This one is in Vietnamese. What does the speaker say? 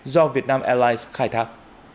do việt nam airlines khai thác